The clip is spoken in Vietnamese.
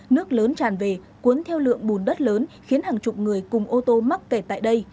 nước lớn tràn về cuốn theo lượng bùn đất lớn khiến hàng chục người cùng ô tô mắc kẹt tại đây